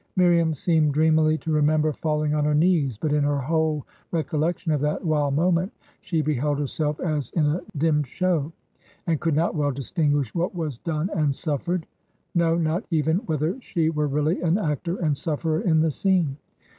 ... Miriam seemed dreamily to remember fadling on her knees; but, in her whole recollection of that wild moment, she beheld herself as in a dim show, and could not well distinguish what was done and suffered ; no, not even whether she were really an actor and sufferer in the scene.